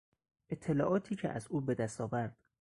اطلاعاتی که او به دست آورد